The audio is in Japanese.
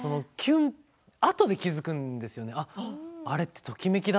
あとで気付くんですよね。